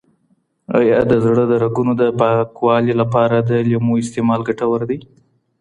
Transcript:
ایا د زړه د رګونو د پاکوالي لپاره د لیمو استعمال ګټور دی؟